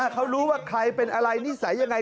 เขารู้ว่าใครเป็นอะไรนิสัยยังไง